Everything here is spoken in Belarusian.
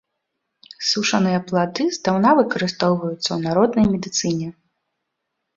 Сушаныя плады здаўна выкарыстоўваюцца ў народнай медыцыне.